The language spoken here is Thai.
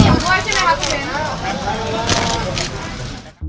เอาผม